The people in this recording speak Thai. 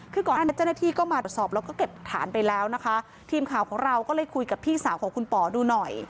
คือก่อนอันนี้เจ้าหน้าที่ก็มาตรวจสอบแล้วก็เก็บฐานไปแล้วนะคะทีมข่าวของเราก็เลยคุยกับพี่สาวของคุณป๋อดูหน่อย